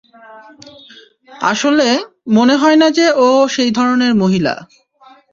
আসলে, মনে হয় না যে ও সেই ধরনের মহিলা।